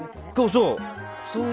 そうそう。